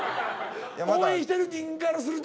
応援してる人間からすると。